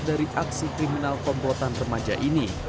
dari aksi kriminal komplotan remaja ini